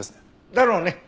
だろうね。